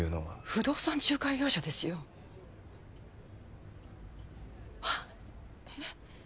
不動産仲介業者ですよはっえっ？